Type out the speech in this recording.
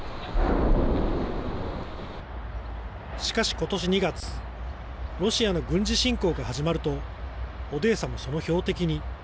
しかしことし２月、ロシアの軍事侵攻が始まると、オデーサもその標的に。